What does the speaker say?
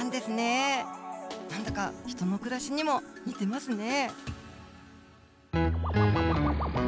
何だか人の暮らしにも似てますね。